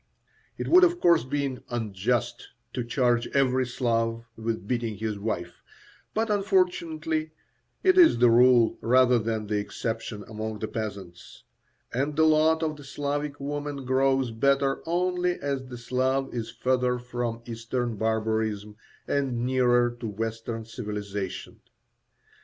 It would, of course, be unjust to charge every Slav with beating his wife, but, unfortunately, it is the rule rather than the exception among the peasants; and the lot of the Slavic woman grows better only as the Slav is further from Eastern barbarism and nearer to Western civilization.